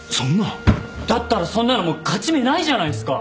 だったらそんなのもう勝ち目ないじゃないっすか！